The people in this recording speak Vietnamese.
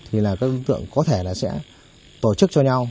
thì là các đối tượng có thể là sẽ tổ chức cho nhau